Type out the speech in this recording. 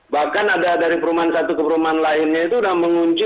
bahkan ada dari perumahan satu ke perumahan lainnya itu sudah mengunci